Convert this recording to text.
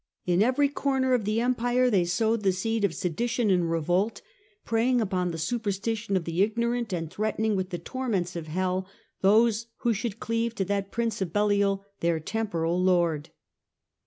In every corner of the Empire they sowed the seed of sedition and revolt, preying upon the superstition of the ignorant and threatening with the torments of hell those who should cleave to that Prince of Belial, their temporal Lord.